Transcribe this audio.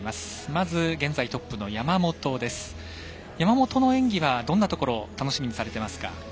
まず、現在トップの山本ですが山本の演技はどんなところを楽しみにされていますか？